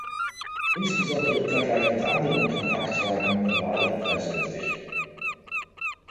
Insbesondere im Vergleich mit anderen Kompaktwagen war er preisgünstig.